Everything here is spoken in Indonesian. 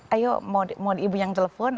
ayo mohon ibu yang telepon